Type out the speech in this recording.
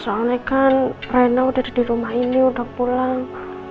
soalnya kan raina udah di rumah ini udah pulang